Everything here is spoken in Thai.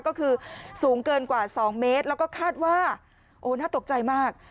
ก็คือสูงเกินกว่า๒เมตรแล้วก็คาดว่าโอ้น่าตกใจมาก